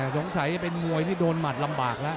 โดนสัยเป็นมวยที่โดนหมาดลำบากละ